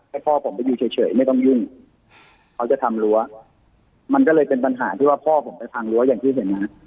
ให้พ่อผมไปอยู่เฉยไม่ต้องยุ่งเขาจะทำรั้วมันก็เลยเป็นปัญหาที่ว่าพ่อผมไปพังรั้วอย่างที่เห็นนะฮะ